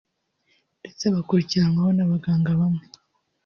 ndetse bakurikiranwa n’abaganga bamwe